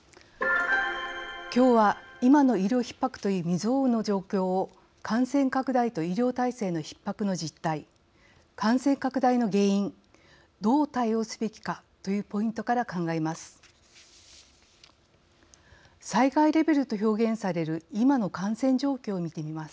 きょうは、今の医療ひっ迫という未曽有の状況を感染拡大と医療体制のひっ迫の実態感染拡大の原因どう対応すべきかというポイントから考えます。